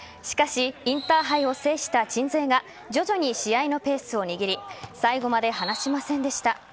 しかしインターハイを制した鎮西が徐々に試合のペースを握り最後まで離しませんでした。